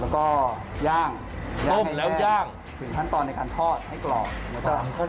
๓ขั้นตอนเลยเหรอวะ